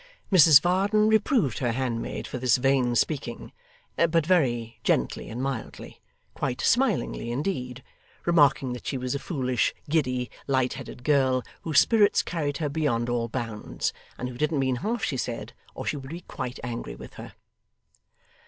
Mrs Varden reproved her handmaid for this vain speaking; but very gently and mildly quite smilingly indeed remarking that she was a foolish, giddy, light headed girl, whose spirits carried her beyond all bounds, and who didn't mean half she said, or she would be quite angry with her.